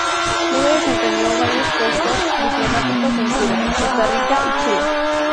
Luego desempeñó varios puestos diplomáticos en Cuba, Costa Rica y Chile.